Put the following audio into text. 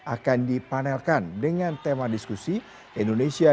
akan dipanelkan dengan tema diskusi indonesia